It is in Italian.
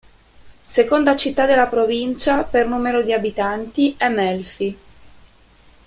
Seconda città della provincia, per numero di abitanti, è Melfi.